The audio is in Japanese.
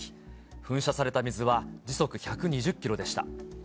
噴射された水は、時速１２０キロでした。